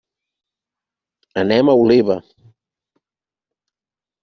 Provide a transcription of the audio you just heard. Anem a Oliva.